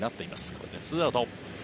これで２アウト。